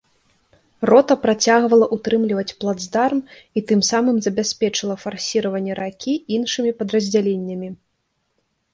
Рота працягвала ўтрымліваць плацдарм і тым самым забяспечыла фарсіраванне ракі іншымі падраздзяленнямі.